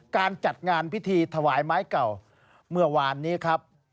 การจัดงานพิธีถวายไม้เก่าเมื่อวานนี้ครับ